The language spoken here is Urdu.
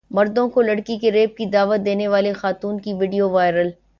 مردوں کو لڑکی کے ریپ کی دعوت دینے والی خاتون کی ویڈیو وائرل